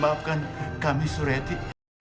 maafkan kami sureti